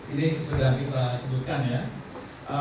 ini sudah kita sebutkan ya